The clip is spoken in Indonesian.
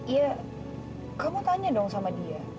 iya kamu tanya dong sama dia